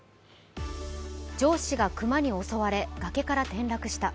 上司が熊に襲われ崖から転落した。